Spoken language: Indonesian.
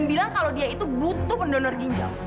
padahal dia itu butuh pendonor ginjal